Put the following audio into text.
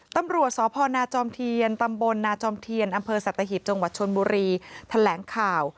ตำรวจสพนจมตบนจมอสัตหิบจบชนบุรีแถลงข่าว